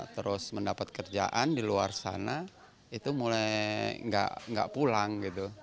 terus mendapat kerjaan di luar sana itu mulai nggak pulang gitu